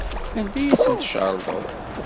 Anda ay asen-tcerḍeḍ?